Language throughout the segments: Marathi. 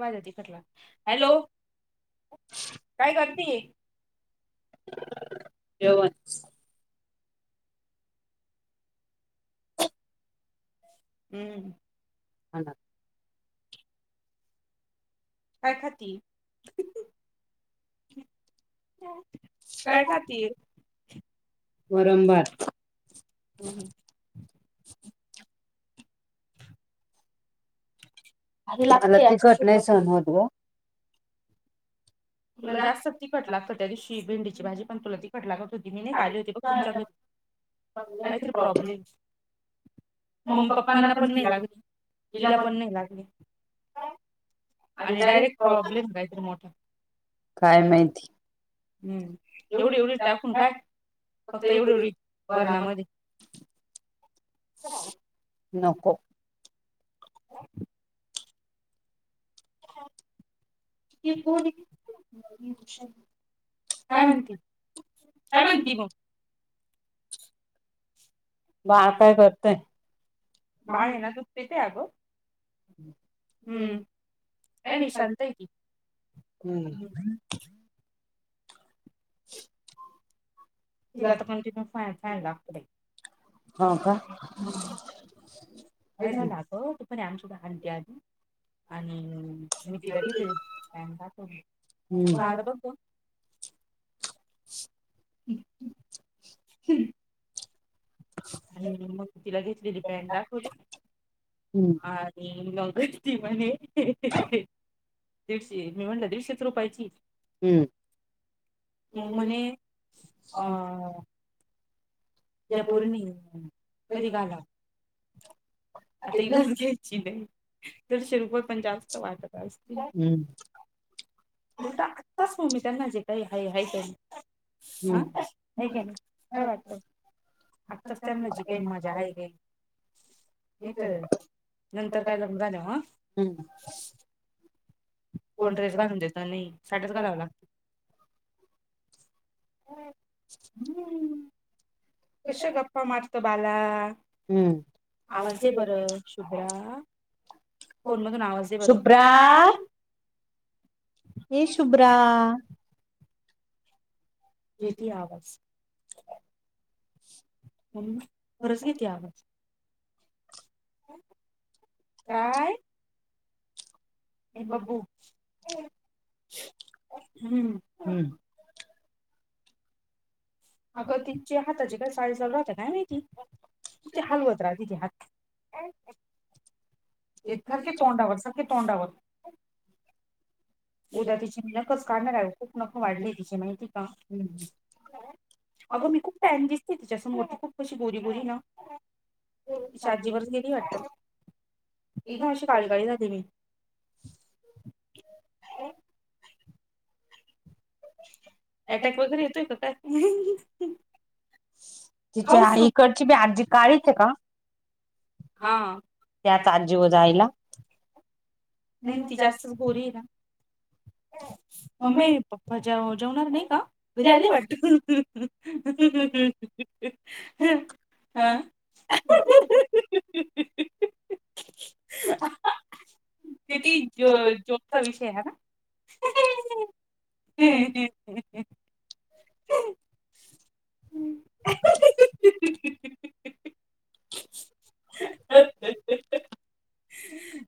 माझ्या तिकटला, हॅलो, काय करती? जेवण. हम्म. [unintelligible] काय खाती? काय खातीय? वरण-भात. हम्, ह. तिला तिकट नाही सहण होत वो. तुला जास्तच तिखट लागत, त्या दिवशी भेंडीची भाजी पण तुला ति ट, लागत होती. मी नाही का आली होते बघ तुमचा घरी, काहीतरी प्रॉब्लेम मम्मी -पप्पांना पण नाही लागत, हिला पण नाही लागले. आणि डायरेक्ट प्रॉब्लेम काहीतरी मोठा. काय माहिती? हम्म, एवढी -एवढी टाकून काय, फक्त एवढी -एवढी वर्णामध्ये नको. [unintelligible] [unintelligible] [unintelligible] काय म्हणती, काय म्हणती मग? बाळ काय करतय? काय हेना दूध पिते अगं. हम्म, काय नाही. हम्म. [unintelligible] [unintelligible] तिला तर कंटिन्यू फॅन, फॅनला हम्म, काय झालं अगं बर आम्ही सुद्धा आणि त्याआधी आणि मी तिला घेते, काय आणि घासतो मी, पण आता कोण- कोण. हम्.. हम्म. आणि मग तिला घेतलेली पॅन्ट दाखवली. आठ [unintelligible] मग म्हणे, अ या पोरींनी कधी घालाव? आता [unintelligible] घ्यायची नाही दिडशे रुपय पण जास्त वाटत असतील. [unintelligible] आत्ताच [unintelligible] जे का हाय हाय आहेत. हा [unintelligible] काय वाटतं. आत्ताच त्यांनाजी काही मजा आहे गय. नाही तर नंतर काय लग्न झालं ह. कोण ड्रेस घालून देता नाही साठच घलाव लाग [unintelligible] कशे गप्पा मरतो बाला. आवाज आहे बरं शुभ्रा आ. फोन मधून आवाजे बरं. ये शुभ्रा. येती आवाज. हम बरस [unintelligible] आवाज. काय? ये बब्बू, हम्म. अगं तिनच्या हाताची काय साडी [unintelligible] राहत्या काय माहिती. किती हलवत राहिली हि हात. ये धर की तोंडावर सरखी तोंडावर. उद्या तिची मी नखच काढणार आहे खूप नक वाढली तिची माहिती का? अगं मी खूप टान दिसते तुच्यासमोर [unintelligible] खूप कशी गोरी-गोरी ना. तिच्या आजीवरच गेली वाटत, एका वर्षी काळी-काळी झालेली. [inaudible] हे. अटॅक वगैरे येतोय का काय? तिच्या आई कडची बी आजी काळीच आहे का? त्याच आजी वर जाईला. नाही ती जास्तच गोरी हे ना. पप्पा जेव जेवणार नाही का? बिर्याणी वाट अ. [inaudible] किती ज जो. स विषय आहे ना. [inaudible] [inaudible]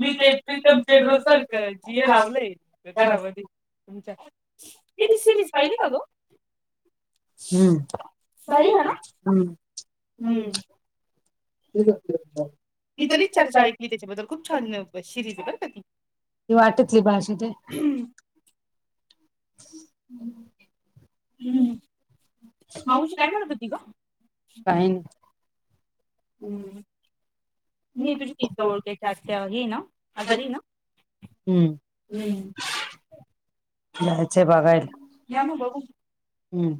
मी ते प्रीतम पेदरो सारखं जियो लावलंय घरामध्ये. ये ती सिरीज पाहिली का ग. हम्म हम् हम्. मी तर लई चर्चा ऐकली त्याच्याबद्दल खूप छान शिरीज आहे बरं का ती. ती वाटतली भाषे ते. हम्. हम्म, माऊशी काय म्हणत होती ग? काहीन. हम्म. नाही तुझी ती [unintelligible] आत्या ही ना आजारी ना. हम्म. जायचे बघायला हम्म.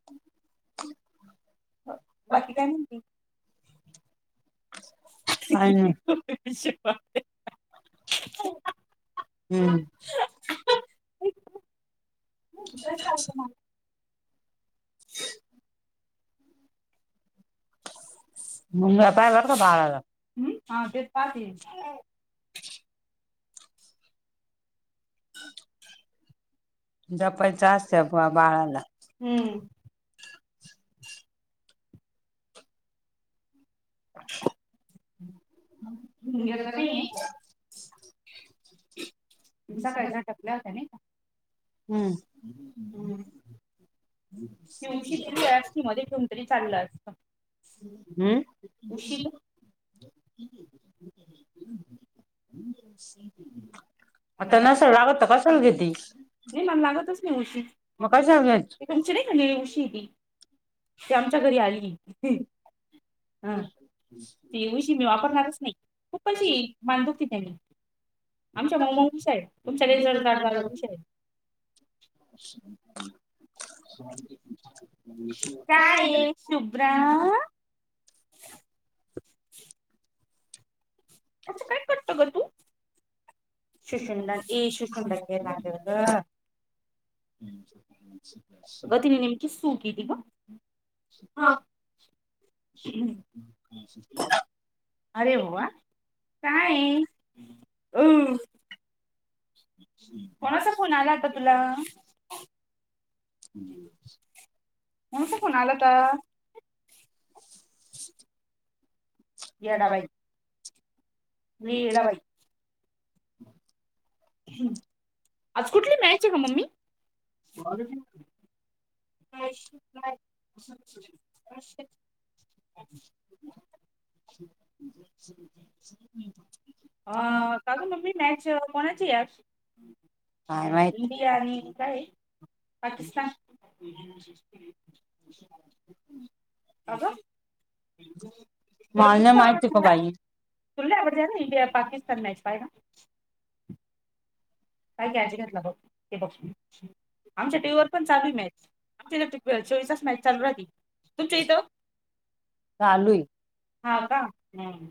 [inaudible] बाकी काय म्हणती. [unintelligible] हम्म. [inaudible] [inaudible] [unintelligible] हम्म हा तेच पात ये. जपायच असत बा बाळाला. त नाही. [inaudible] सकाळी घातल्या होत्या नाही. हम्म. हम्म. ती उशी दिली असती मध्ये ठेवून तरी चाललं असतं. हम्म. आता ना सगळ्याला तपासायला देती. नाही मला लागतच नाही उशी. मग काय झालं जायच. तुमची नाही निळे उशीती ते आमच्या घरी आली. हम् हम्.. ही उशी मी वापरणारच नाही खूप अशी मान दुखती त्यांनी आमच्या माऊ-माऊ उषा आहेत तुमच्या लई जड जाड झालं उषा आहे. [unintelligible] [unintelligible] [unintelligible] ग तीने नेमकी सू केली ग का हा. [unintelligible] अरे वा काय ओ कोणाचा फोन आला होता तुला? [unintelligible] कोणाचा फोन आलाता. येडाबाई. ह हम्म आज कुठली मॅच ग मम्मी? [unintelligible] [unintelligible] का ग मम्मी मॅच कोणाची आहे आज इंडिया आणि काय? पाकिस्तान [unintelligible] आ ग [unintelligible] तुला लय आवडते ना इंडिया पाकिस्तान मॅच पाहिला. काय का काळजी घेतला बघ ते बघ आमच्या टीव्ही वर पण चालू मॅच आम तथ चोवीसच लाईट चालू राहती. तुमच्या ईत हा का. हम्म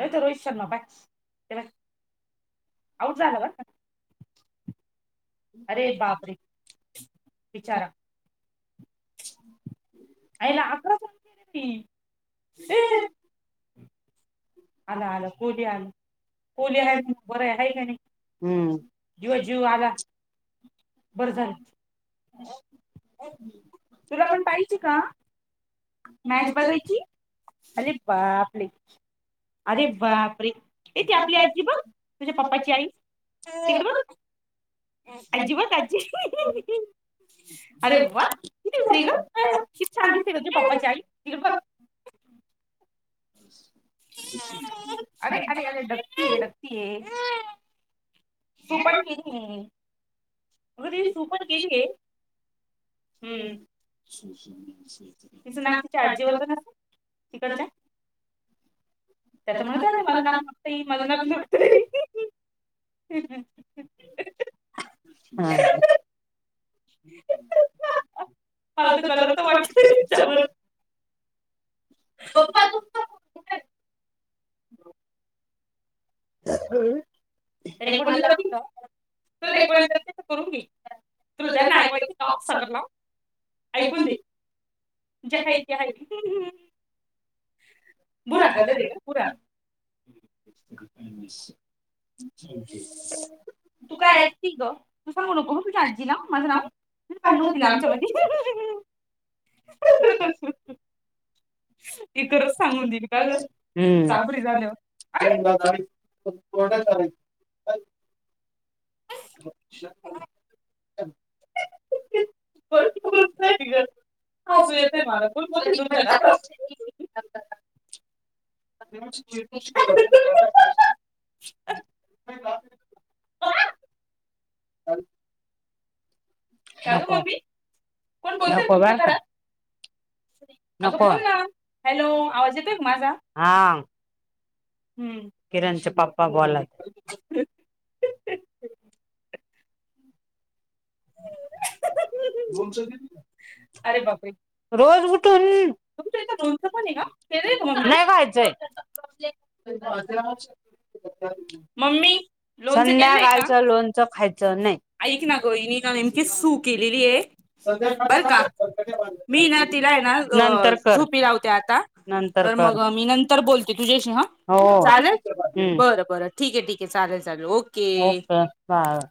येतो रोहित शर्मा पाय ते पाय. आऊट झाला बरं का. अरे बाप रे [inaudible] अईला अकरा करून गेले ते हे. आलं आलं कोली आलं कोली आहे बरं आहे का नाही. जीवात जीव आला बरं झालं. तुला पण पाहिची का. मॅच बघायची अ रे बा ब ले. अरे बापरे ये ती आपली आजी बघ तुझ्या पप्पाची आई तिकडे बघ. आजी बघ आजी अरे वा किती फ्री ग. किती छान दिसते ग तुझ्या पप्पाची आई इकडं बघ. [inaudible] डगती ये डगती ये सु पण केली ये. हो रे सू पण केली आहे हम्म. [inaudible] तिचं नाक तिच्या आजीवर तर नसल तिकडच्या. त्या तर म्हणत माझं ना मग. ते माझं नाक नटतय. हा, मल तर कलर तर वाटत तच्या पण बघू बाबू. नो. [inaudible] रेकॉर्डिंग करते का. तुला रेकॉर्डिंग करायचे तर करून घे तुला त्यांना ऐकायचंय का का हो सागर ला. ऐकून दे जे हाईये ते हाई. बुरा आगलरग बुरा. [inaudible] तू काय ऐकती ग तू सांगू नको म तुझ्या आजीला माझं नाव. नाहीतर भांडणं होतील आमच्या मध्ये. ्हम्म. कोठे तरी. [inaudible] हाफवे आहे [inaudible] [inaudible] काळी. का ग मम्मी कोण बोलतय तुमच्या घरात. अगं बोलोल ना हॅलो आवाज येतोय का माझा हम्म. किरणचे पप्पा बोलात. हम् [inaudible] तुमचं दिदी. अरे बापरे. लय खायचं. [unintelligible] मम्मी संध्याकांळच लोणचं खायचं नाहीं एक नां कोई नि कां येसू केलेली आहे बरं कां मी नां तिला आहे नां झोपी लावते आंता तरं मंग मी नंतर बोलते तुझ्याशी हां चालेल बरं बरं ठीक आहे ठीक आहे चालेल चालेल ओ हो कां चाल